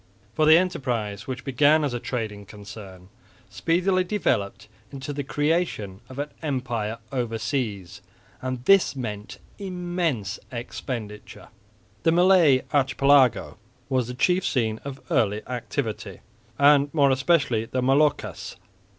For the enterprise, which began as a trading concern, speedily developed into the creation of an empire overseas, and this meant an immense expenditure. The Malay Archipelago was the chief scene of early activity, and more especially the Moluccas.